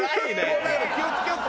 だから気を付けようって。